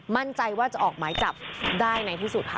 มั่นใจว่าจะออกหมายจับได้ในที่สุดค่ะ